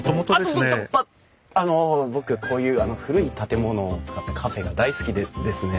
あの僕こういう古い建物を使ったカフェが大好きでですね。